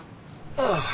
ああ。